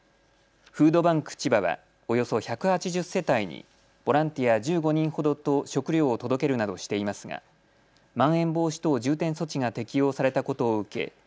フードバンクちばはおよそ１８０世帯にボランティア１５人ほどと食料を届けるなどしていますがまん延防止等重点措置が適用されたことを受け